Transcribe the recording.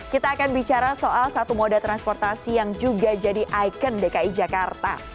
kita akan bicara soal satu moda transportasi yang juga jadi ikon dki jakarta